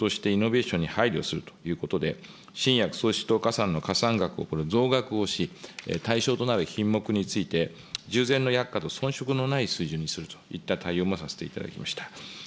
こうしたことを踏まえて、臨時特例的な対応として、イノベーションに配慮するということで、新薬創出等加算の加算額の増額をし、対象となる品目について、従前の薬価とそん色のないにするという対応もさせていただきました。